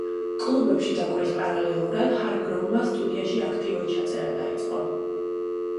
კლუბებში დაკვრის პარალელურად ჰარგროვმა სტუდიაში აქტიური ჩაწერა დაიწყო.